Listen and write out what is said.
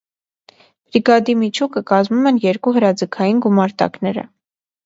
Բրիգադի միջուկը կազմում են՝ երկու հրաձգային գումարտակները։